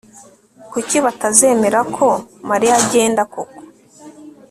kuki batazemera ko mariya agenda koko